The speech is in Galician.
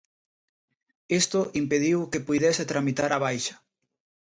Isto impediu que puidese tramitar a baixa.